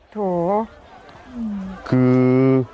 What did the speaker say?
โถคือ